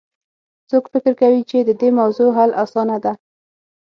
څوک فکر کوي چې د دې موضوع حل اسانه ده